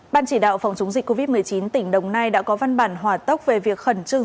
ban chỉ đạo phòng chống dịch covid một mươi chín tỉnh đồng nai đã có văn bản hỏa tốc về việc khẩn trương